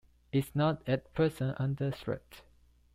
It is not at present under threat.